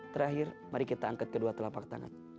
terakhir mari kita angkat kedua telapak tangan